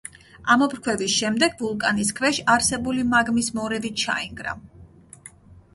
ამოფრქვევის შემდეგ, ვულკანის ქვეშ არსებული მაგმის მორევი ჩაინგრა.